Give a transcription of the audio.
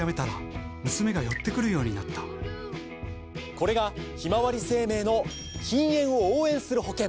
これがひまわり生命の禁煙を応援する保険！